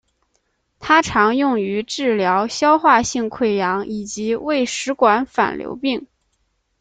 它常用于治疗消化性溃疡以及胃食管反流病。